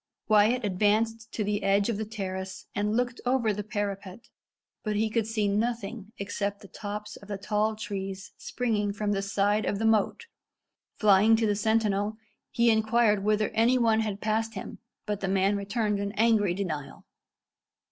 Wyat advanced to the edge of the terrace and looked over the parapet, but he could see nothing except the tops of the tall trees springing from the side of the moat. Flying to the sentinel, he inquired whether any one had passed him, but the man returned an angry denial.